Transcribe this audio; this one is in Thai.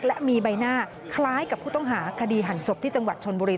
และมีใบหน้าคล้ายกับผู้ต้องหาคดีหั่นศพที่จังหวัดชนบุรี